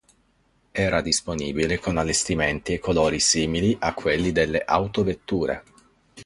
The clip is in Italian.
Era disponibile con allestimenti e colori simili a quelli delle autovetture.